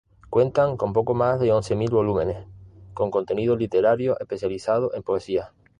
Cuentan con poco más de once mil volúmenes, con contenido literario especializado en poesía.